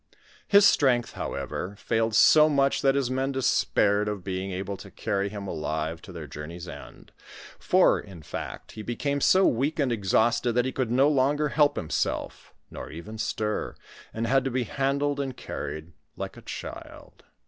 His strength, howe^,' failed so much, that his men despaired of being able tcr carry him alive to their journey's end ; for, in fact, he became so weak and exhausted, that he could no longer help himself, nor even stir, and had to be handled and car ried like a child.